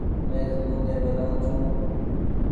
مين سامونڊي مين رهون ڇون ۔